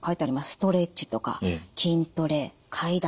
ストレッチとか筋トレ階段